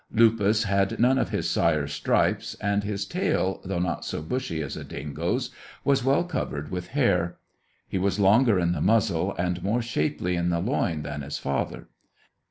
Lupus had none of his sire's stripes, and his tail, though not so bushy as a dingo's, was well covered with hair. He was longer in the muzzle and more shapely in the loin than his father.